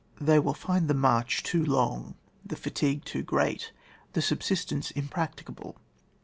They will find the march too long, the fatigue too great, the subsistence impracticable.